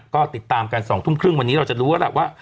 ก็ติดตามกัน๒ทุ่มครึ่งวันนี้เราจะรู้แล้วล่ะว่า